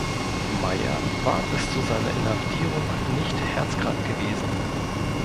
Meier war bis zu seiner Inhaftierung nicht herzkrank gewesen.